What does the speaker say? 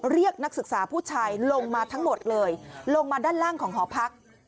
นักศึกษาผู้ชายลงมาทั้งหมดเลยลงมาด้านล่างของหอพัก